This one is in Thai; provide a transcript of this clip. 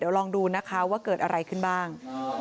ลองดูนะคะว่าเกิดอะไรขึ้นบ้าง